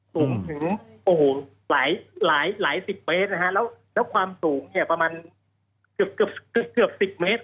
สูงถึงโอ้โหหลาย๑๐เมตรนะฮะแล้วความสูงเนี่ยประมาณเกือบ๑๐เมตร